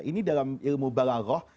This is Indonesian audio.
ini dalam ilmu balagoh